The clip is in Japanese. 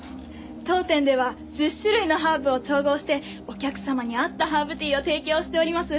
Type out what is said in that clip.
当店では１０種類のハーブを調合してお客様に合ったハーブティーを提供しております。